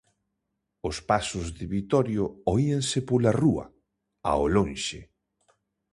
Os pasos de Vitorio oíanse pola rúa, ao lonxe.